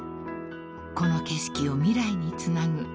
［この景色を未来につなぐ］